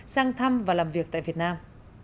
sang thăm và làm việc tại việt nam